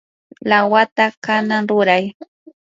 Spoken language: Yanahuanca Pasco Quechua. lawata kanan ruray.